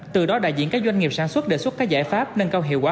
từ đó đại diện các doanh nghiệp sản xuất đề xuất các giải pháp nâng cao hiệu quả